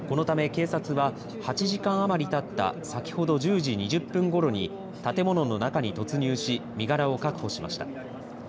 このため警察は８時間余りたった先ほど１０時２０分ごろに建物の中に突入し身柄を確保しました。